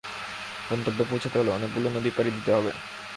গন্তব্যে পৌছাতে হলে অনেকগুলো নদী পাড়ি দিতে হবে।